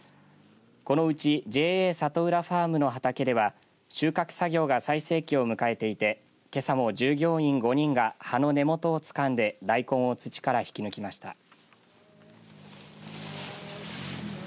このうちＪＡ里浦ファームの畑では収穫作業が最盛期を迎えていてけさも従業員５人が葉の根元をつかんで大根を土から引き抜きました。